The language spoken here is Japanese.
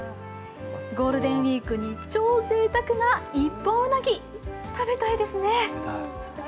ゴールデンウイークに超ぜいたくな一本うなぎ、食べたいですね。